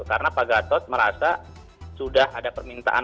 karena pak gatot merasa sudah ada permintaan